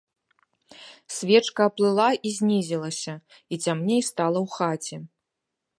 Свечка аплыла і знізілася, і цямней стала ў хаце.